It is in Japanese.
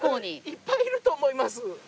いっぱいいると思います。